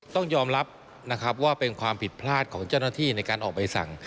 ต้องยอมรับนะครับว่าเป็นความผิดพลาดของเจ้าหน้าที่ในการออกใบสั่ง